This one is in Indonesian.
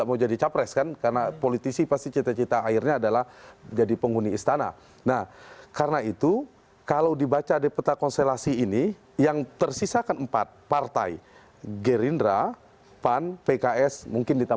maupun jokowi maupun penantangnya